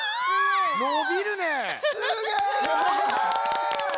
のびるねえ！